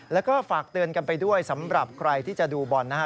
แล้วก็ฝากเตือนกันไปด้วยสำหรับใครที่จะดูบอลนะครับ